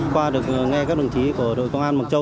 qua được nghe các đồng chí của đội công an mộc châu